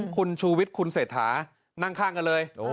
คุณชูวิทย์คุณเศรษฐานั่งข้างกันเลย